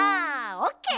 オッケー！